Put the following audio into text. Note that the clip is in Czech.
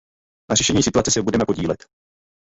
Na řešení situace se budeme podílet.